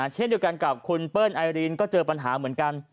เช่นเดียวกันกับคุณเปิ้ลไอรีนก็เจอปัญหาเหมือนกัน